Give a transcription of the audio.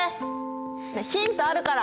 ヒントあるから。